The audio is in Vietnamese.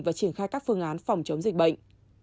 và triển khai các phương án phòng chống dịch bệnh